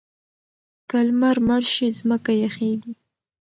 که لمر مړ شي ځمکه یخیږي.